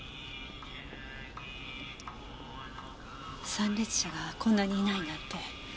参列者がこんなにいないなんて。